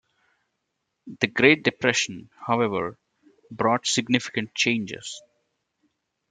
The Great Depression, however, brought significant changes.